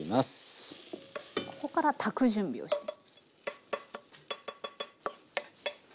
ここから炊く準備をしていく。